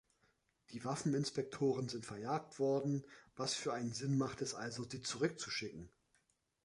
Die Waffeninspektoren sind verjagt worden, was für einen Sinn macht es also, sie zurückzuschicken?